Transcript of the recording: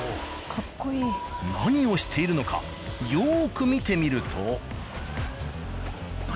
何をしているのかよく見てみると。